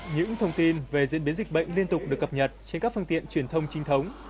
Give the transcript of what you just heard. những thông tin về diễn biến dịch bệnh liên tục được cập nhật trên các phương tiện truyền thông trinh thống